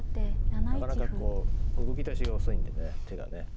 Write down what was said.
なかなかこう動きだしが遅いんでね手がね。